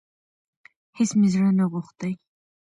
هيڅ مي زړه نه غوښتی .